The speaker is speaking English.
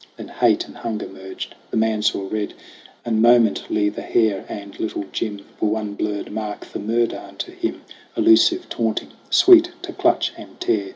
Then hate and hunger merged ; the man saw red, And momently the hare and Little Jim Were one blurred mark for murder unto him Elusive, taunting, sweet to clutch and tear.